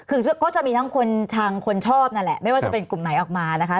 คือก็จะมีทั้งคนทางคนชอบนั่นแหละไม่ว่าจะเป็นกลุ่มไหนออกมานะคะ